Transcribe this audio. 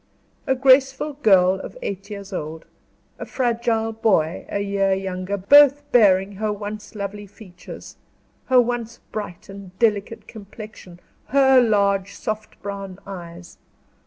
A graceful girl of eight years old, a fragile boy a year younger, both bearing her once lovely features her once bright and delicate complexion her large, soft brown eyes.